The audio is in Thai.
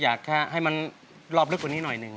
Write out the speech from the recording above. อยากให้มันรอบลึกกว่านี้หน่อยหนึ่ง